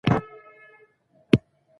د صادقو مدیرانو شتون د ادارو چارې سموي.